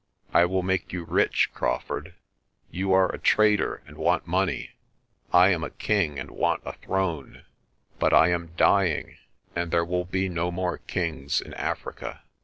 I will make you rich, Crawfurd. You are a trader and want money. I 238 PRESTER JOHN am a king and want a throne. But I am dying, and there will be no more kings in Africa."